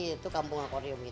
itu kambung nakwarium